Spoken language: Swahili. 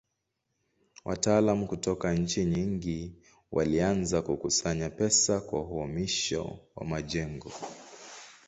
Wataalamu kutoka nchi nyingi walianza kukusanya pesa kwa uhamisho wa majengo.